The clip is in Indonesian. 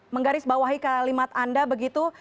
menggaris bawahi kalimat anda begitu